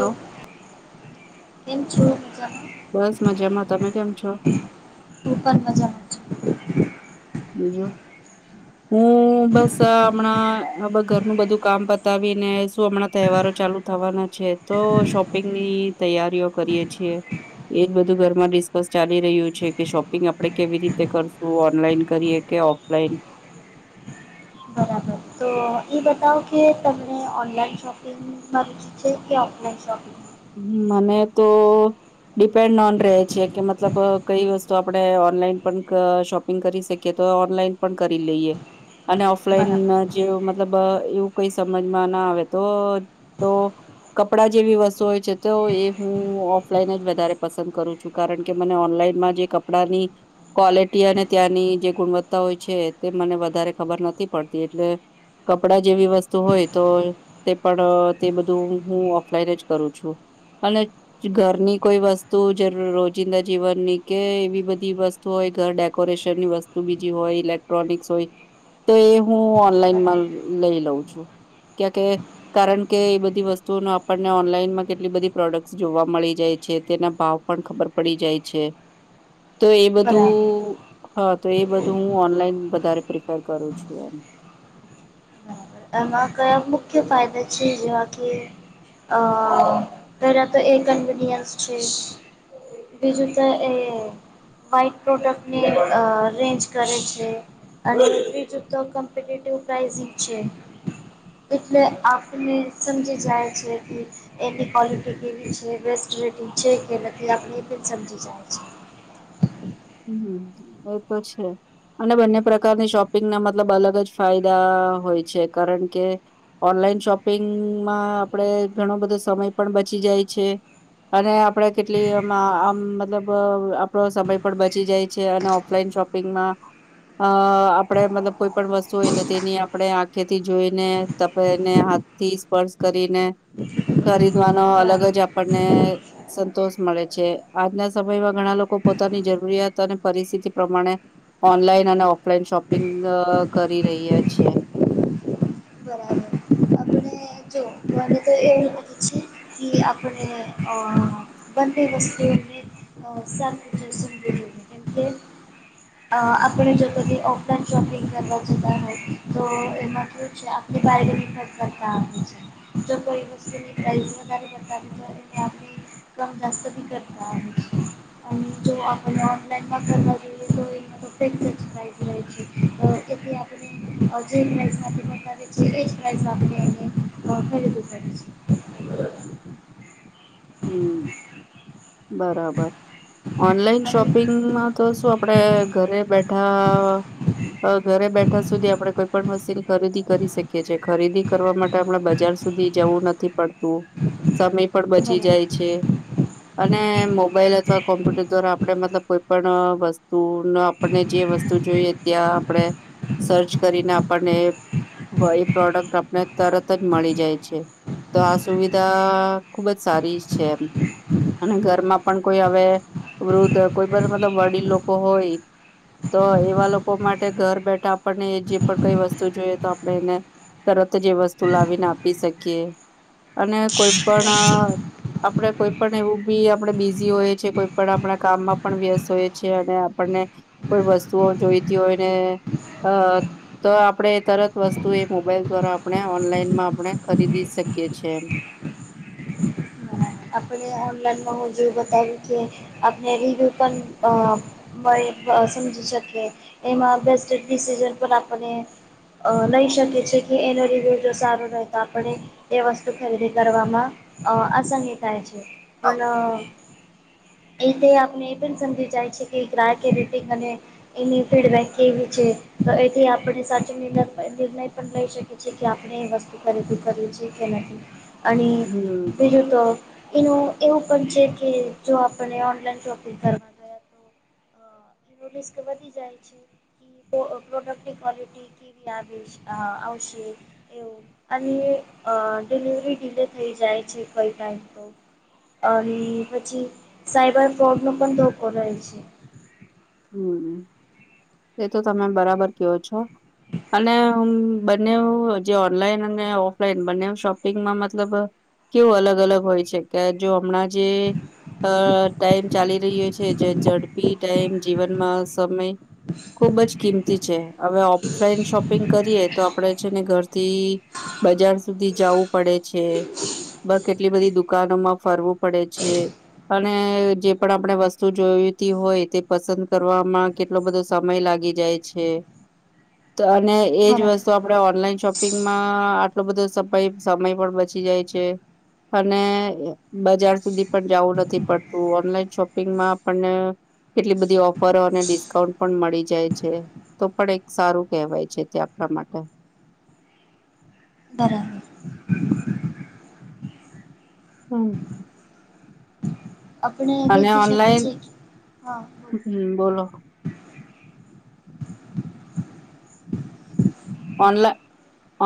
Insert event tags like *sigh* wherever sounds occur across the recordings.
લો કેમ છો મજામાં. બસ મજામાં તમે કેમ છો? હું પણ મજામાં. છું. બીજું હું બસ હમણાં હ ઘરનું બધું કામ પતાવીને શું હમણાં તહેવારો ચાલુ થવાના છે તો શોપ પિંગની તૈયારીઓ કરીએ છીએ. એજ બધું ઘરમાં ડિસ્કસ ચાલી રહ્યું છે કે શોપિંગ આપડે કેવી રીતે કરશું ઓનલાઈન કરીએ કે ઓફલાઈન. બરાબર. તો એ બતાવો કે તમને ઓનલાઈન શોપિંગમાં રૂચિ છે કે ઓફલાઈન શોપિંગ. હમ મને તો ડિપેન્ડ ઓન રહે છે કે મતલબ કઈ વસ્તુ આપડે ઓનલાઈન પણ શોપ કરી શકીયે તો ઓનલાઈન પણ કરી લઈએ. અને ઓફલાઈન જે મતલબ એવું કઈ સમજમાંના આવે તો- તો કપડા જેવી વસ્તુ હોય તો એ હું ઓફલાઈન જ વધારે પસંદ કરું છું, કારણ કે મને ઓનલાઈનમાં જે કપડાની ક્વોલિટી અને ત્યાંની જે ગુણવત્તા હોય છે તે મને વધારે ખબર નથી પડતી એટલે કપડા જેવી વસ્તુ હોય તો તે પણ તે બધું હું ઓફલાઈન જ કરું છું. અને ઘરની કોઈ વસ્તુ જ રોજિંદા જીવનની કે એવી બધી વસ્તુ હોય ઘર ડેકોરેશનની વસ્તુ બીજી હોય, ઇલેક્ટ્રોનિક્સ હોય તો એ હું ઓનલાઈનમાં બરાબર લઈ લઉં છું. ક્યા કે કારણ કે એ બધી વસ્તુઓ ન આપણને ઓનલાઇનમાં કેટલી બધી પ્રોડક્ટ જોવા મળી જાય છે. તેના ભાવ પણ ખબર પડી જાય છે. તો એ બરાબર બધું હા, તો એ બધું હું ઓનલાઈન વધારે પ્રિફર કરું છું એમ. બરાબર એમાં કયાંક મુખ્ય ફાયદા છે જેવા કે અ પેલાં તો એ કન્વીનિયન્સ છે. બીજું તો એ વાઇન્ટ પ્રોડક્ટની અ રેન્જ કરે છે. અને બીજુ તો કોમ્પિટેટિવ પ્રાઇઝિંગ છે. એટલે આપને સમજી જાય છે કે એમની ક્વોલિટી કેવી છે બેસ્ટ રેટિંગ છે કે, નથી આપણે એ પણ સમજી જાય છે. હમ એ તો છે. અને બંને પ્રકારની શોપિંગના મતલબ અલગ જ ફાયદા હોય છે કારણ કે ઓનલાઈન શોપિંગમાં આપડે ઘણો બધો સમય પણ બચી જાય છે. અને આપડે કેટલી મા આમ મતલબ આપડો સમય પણ બચી જાય છે અને ઓફલાઈન શોપિંગ માં અ આપણેે મતલબ કોઈ પણ વસ્તુ હોય તો તેની આપણે આંખેથી જોઈને તપને હાથ થી સ્પર્શ કરીને ખરીદવા નો અલગ બરાબર જ આપણને સંતોષ મળે છે. આજના સમયમાં ઘણા લોકો પોતાની જરૂ રીયાત અને પરિસ્થિતિ પ્રમાણે ઓનલાઈન અને ઓફલાઈન શોપિંગ કરી રહીયા છીએ. બરાબર આપણે જો મને તો એ લાગે છે કે આપણે અ બંન્ને વસ્તુ ની અ *unintelligible* જ કેમ કે અ આપણે જો કદી ઓફલાઈન શોપિંગ કરવા જતા હોય તો એમાં શું છે આ બાર્ગેનિંગ જ કરતા હો તો કોઈ વસ્તુ ની પ્રાઈઝ વધારે બતાવી ને આપે કમ દાસ્ત બી કરતા અને જો આપણે ઓનલાઈનમાં કરવા જઈએ તો એમા તો ફિક્સ જ પ્રાઈસ રહે છે. એટલે આપણે જે પ્રાઇઝ માટે બતાવે એ એ જ પ્રાઇઝ આપણે એને ખરીદવું પડે છે હમ બરાબર ઓનલાઈન અને શોપિંગમાં તો શું આપડે ઘરે બેઠા... અ ઘરે બેઠા સુધી આપડે કોઈ પણ મશીલ ખરીદી કરી શકીએ છે ખરીદી કરવા માટે આપણા બજાર સ સુધી જવું નથી પડતું સમય પણ બચી બરાબર જાય છે અને મોબાઈલ અથવા કોમ્પ્યુટર દ્વારા આપડે મતલબ કોઈ પણ વસ્તુનો આપણને જે વ જે જોઈએ ત્યાં આપણે સર્ચ કરીને આપણને વ એ પ્રોડક્ટ આપને તરત જ મળી જાય છે તો આ સુવિધા ખુબ જ સારી છે એમ અને ઘરમાં પણ કોઈ હવે વૃદ્ધ કોઈ પણ મતલબ વડીલ લોકો હોય તો એવા લોકો માટે ઘર બેઠા આપણને જે પણ કઈ વસ્તુ જોઈએ તો આપણે એને તરત જ એ વસ્તુ લાવીને આપી શકીએ અને કોઈ પણ અ આપણેે કોઈ પણ એવું બી આપણેે બીઝી હોય છીએ કોઈ પણ આપણા કામમાં પણ વ્યસ્ત હોયે છે અને આપણને કોઈ વસ્તુઓ જોઈતી હોયને અ તો આપડે એ તરત વસ્તુ એ મોબાઈલ દ્વારા આપણે ઓનલાઈનમાં આપણે ખરીદી શકીએ છે એમ આપણે ઓનલાઈનમાં હું જે બતાવુ કે આપણે રિવ્યુ પણ અ બ એ સમજી શકે એમાં બેસ્ટ ડિસીઝન પર આપને અ લઈ શકે છે કે એનો રિવ્યૂ જો સારો રહે તો આપણે એ વસ્તુ ખરીદી કરવામાં અ આસની થાય છે પણ એ તે આપને એ પણ સમજી જાય છે કે ગ્રાહક રેટિંગ અને એની ફીડબેક કેવી છે તો એથી આપણે સાચો નિણ નિર્ણય પણ શકીએ છીએ કે આપણે એ વસ ખરીદી કરવી છે કે નહી અને હમ્મ, બીજી તો એનું એવું પણ છે કે જો આપને ઓનલાઈન શોપિંગ કરવા એનુ રિસ્ક વધી જાય છે ઈ પો પ્રોડક્ટની ક્વોલિટી કેવી આવી અ આવશે અને અ ડિલિવરી ડીલે થઈ જાય છે કઈ ટાઈમ તો અન પછી સાયબર ફ્રોડ નો પણ ધોકો રહે છે હમ એ તો તમે બરાબર કયો છો અને હ બંને ઉ જે ઓનલાઈન અને ઓફલાઈન બંને ઉ શોપિંગમાં મતલબ કેવો અલગ અલગ હોય છે કે જો હમણાં જે અ ટાઈમ ચાલી રહ્યો છે જે ઝડપી ટાઈમ જીવનમાં સમય ખુબ જ કિંમતી છે હવે ઓફલાઈન શોપિંગ કરીએ, તો આપડે છે ને ઘરથી બજાર સુધી જવું પડે છે બ કેટલી બધી દુ દુકાનોમાં ફરવું પડે છે, અને જે પણ આપણે વસ્તુ જોઈતી હોય તે પસંદ કરવામાં કેટલો બધો સમય લાગી જાય છે અને એજ બરાબર વસ્તુ આપણે ઓનલાઈન શોપિંગમાં આટલો બધો સમય સમય પણ બચી જાય છે. અને બજાર સુધી પણ જવું નથી પડતું ઓનલાઈન શોપિંગમાં આપણને કેટલી બધી ઓફરો અને ડિસ્કાઉન્ટ પણ મળી જાય છે. તો પણ એક સારું કહેવાય છે તે આપણા માટે બરાબર હમ આપણે દ અને કી શકીએ ઓનલાઈન છીએ હા બ હમ બોલો ઓનલા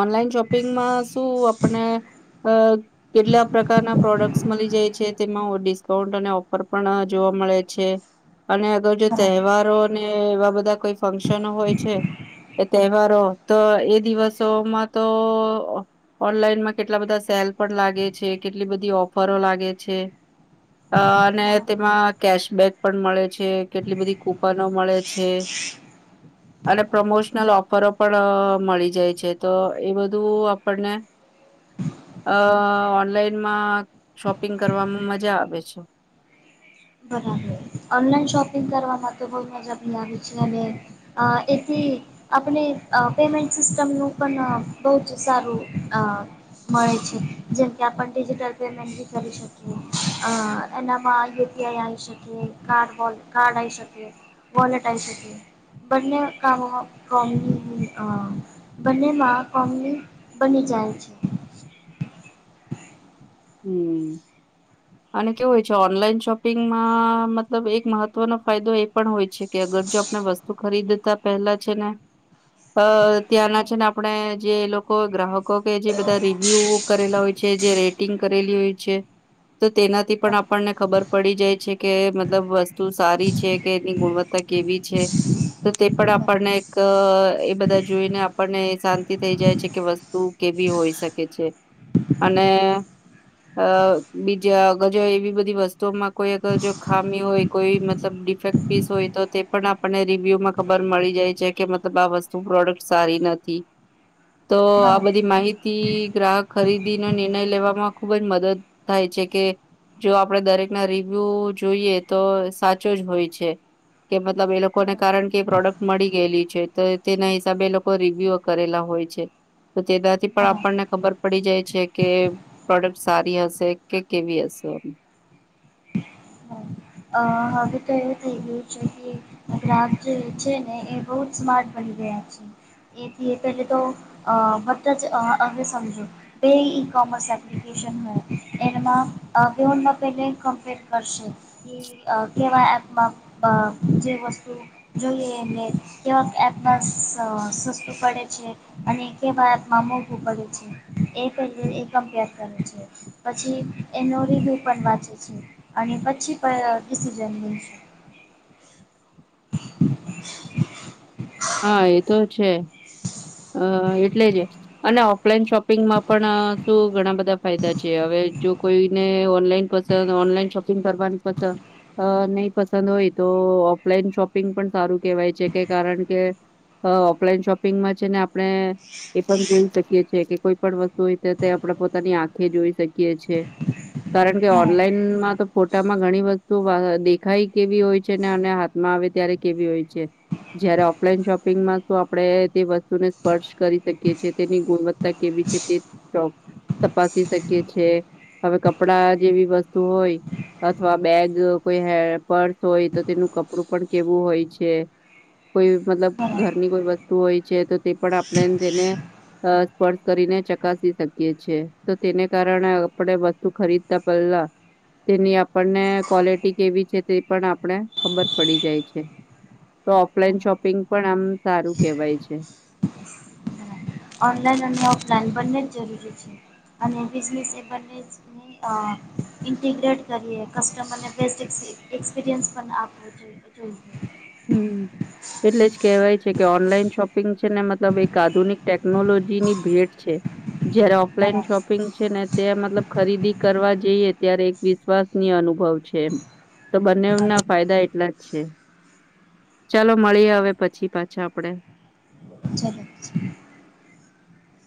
ઓનલાઈન શોપિંગમાં શું આપને કેટલા પ્રકારના પ્રોડક્ટસ મળી જાય છે. તેમાં ડિસ્કાઉન્ટ અને ઓફર પણ જોવા મળે છે. અને અગર જો બરાબર તહેવારો ને એવા બધા કોઈ ફંક્શન હોય છે. એ તહેવારો તો તો ઓનલાઈનમાં કેટલા બધા સેલ પણ લાગે છે. કેટલી બધી ઓફરો લાગે છે. અ અને બરાબર તેમાં કેશબેક પણ મળે છે. કેટલી બધી કૂપનો મળે છે. અને પ્રમોશનલ ઓફરો પણ મળી જાય છે તો એ બધું આપણને અ ઓનલાઈનમાં શોપિંગ કરવામાં મજા આવે છે. બરાબર ઓનલાઈન શોપિંગ કરવા માટે બહ મજા બી આવી છે અને અ એથી આપણે પેમેન્ટ સિસ્ટમનું પણ બહુ જ સારું અ મળે છે જેમકે આપ ડિજિટલ પેમેન્ટી કરી શકી એનામાં યુપઆઈ આવી શકે કાર્ડોલ કાર્ડ આ શકે વલેટ આવી શ બંને કામ પ્રમ બંનેમાં કોમ બની જાય છે. હમ અને કેવું હોય છે. ઓનલાઈન શોપિંગમાં મતલબ એક મહત્વનો ફાયદો એ પણ હોય છે, કે અગર જો વસ્તુ ખરીદતા પહેલા છે ને અ ત્યાંના છે. ને આપણે જે લોકો ગ્રાહકો કે જે બધા રિવ્યુ કરેલા છે જે રેટિંગ કરેલી છે. તો તેનાથી પણ આપણને ખબર પડી જાય છે કે મતલબ વસ્તુ સારી છે કે એની ગુણવત્તા ત કેવી છે. તો તે પણ આપણને એક એ બધા જોઈને આપણને શાંતિ થઈ જાય છે કેસ્ તું કેવી હોઈ છે. અ બીજા અગર જો એવી બધી વસ્તુઓમાં કોઈ અગર જો ખામી હોય કોઈ મતલબ ડિફેક્ટ હોય તો તે પણ આપણને રિવ્યુમાં ખબર મળી જાય છે કે મતલબ આ વસ્તુ પ્રોડક્ટ સારી નથી. તો બરાબર આ બરાબર બધી માહિતી ગ્રાહક ખરીદીનો નિર્ણય લેવામાં ખુબ જ મદદ થાય છે કે જો આપણેે દરેકના રિવ્યુ જોઈએ તો સાચો જ હોય છે. કે મતલબ એ બરાબર લોકોને કારણ બરાબર કે એ પ્રોડક્ટ ગયેલી છે તો તેના હિસાબે લોકો રિવ્યુ કરેલા હોય છે. તો તેનાથી પણ બરાબર આપણને ખબર પડી જાય છે કે પ્રોડક્ટ સારી હશે કે કેવી હશે. અ હવે તો એવું થઈ ગયું છે કે *unintelligible* જે છે ને એ બહુ જ સ્માર્ટ બની ગયા છે એથી પહેલે તો અ બધા જ હમે સમજો બે ઈ કોમર્સ એપ્લિકેસન નું એમાં *unintelligible* કેમ્પર કરશે અ કેવા એપમાં *unintelligible* જે વસ્તુ જોઈએ એ ને કેવા એપ માં સ સસ્તું પડે છે અને કેવા એપ માં મોઘું પડે છે એ *unintelligible* કંપેર કરે છે પછી એનો રિવ્યુ પણ વાંચે છે અને પછી પ ડિસિઝન લે છે હા એ તો છે અ એટલે જ અને ઓફલાઈન શોપિંગમાં પણ તો ઘણા બધા ફાયદા છે હવે જો કોઈને ઓનલાઈન પસંદ ઓનલાઈન શોપિંગ કરવાની પસ અ નહી પસંદ હોય તો ઓફલાઈન શોપિંગ પણ સારું કેહેવાય છે કે કારણ કે અ ઓફલાઈન શોપિંગમાં છે ને આપણે એ પણ જોઈ શકીએ છે કે કોઈ પણ વસ્તુ હોય તો તે આપણે પોતાની આંખે જોઈ શકીએ છે કારણ કે બરાબર ઓનલાઈનમાં તો ફોટામાં ઘણી વસ્તુ દેખાય કેવી હોય છે ને અને હા માં આવે ત્યારે કેવી હોય છે જયારે ઓફલાઈન શોપિંગમાં શું આપડે તે વ સ્તૂ ને સ્પર્શ કરી શકી છીએ તેની ગુણવત્તા કેવી છે તે તપાસી શકીએ છે હવે કપડા જેવી વસ્તુ હોય અથવા બેગ કોઈ હે પર્સ હોય તો તેનું કપડું પણ કેવું હોય છે કોઈ મતલબ બરાબર ઘરની કોઈ વસ્તુ હોય છે તો તે પણ આપણે તેને અ સ્પર્શ કરીને ચકાસી શકીએ છીએ તો તેને કારણે આપણે તું ખરીદતા પેલ્લા તેની આપણને કવોલિટી કેવી છે તે પણ આપણે ખબર પડી જાય છે તો ઓફલાઈન શોપિંગ પણ આમ સારું કેવાય છે ઓન લાઇન અને ઓફલાઈન બંને જ જરૂરી છે અને બિઝનેસ એ બન્ને જ અ ઇન્ટીગ્રેટ કરીએ કસ્ટમરને બેસ્ટ એક્સપિરિયન્સ પણ આપો છે *unintelligible* હમ એટલે જ કહેવાય છે કે ઓનલાઈન શોપિંગ છે ને મતલબ એક આધુનિક ટેકનોલોજીની ભેટ છે. જયારે ઓફલાઈન બરાબર શોપિંગ છે ને તે મતલબ ખરીદી કરવા જઈએ ત્યારે એક વિશ્વાસની અનુભવ છે એમ તો બંને બરાબર નાવ ફાયદા એટલા જ છે ચાલો મળીએ હવે પછી પાછા આપડે ચલો